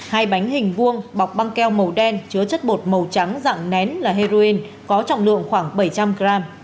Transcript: hai bánh hình vuông bọc băng keo màu đen chứa chất bột màu trắng dạng nén là heroin có trọng lượng khoảng bảy trăm linh gram